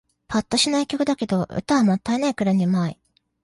ぱっとしない曲だけど、歌はもったいないくらいに上手い